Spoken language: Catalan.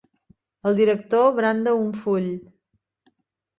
El director branda un full.